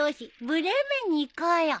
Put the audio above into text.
ブレーメンに行こうよ。